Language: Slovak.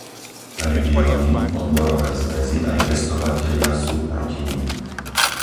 Regióny, odborové zväzy aj pestovatelia sú proti nim.